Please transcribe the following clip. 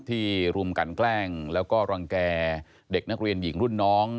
รุมกันแกล้งแล้วก็รังแก่เด็กนักเรียนหญิงรุ่นน้อง